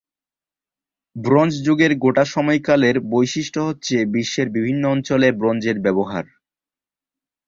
Bronze যুগের গোটা সময়কালের বৈশিষ্ট্য হচ্ছে, বিশ্বের বিভিন্ন অঞ্চলে ব্রোঞ্জের ব্যবহার।